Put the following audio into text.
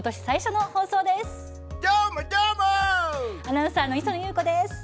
最初の放送です。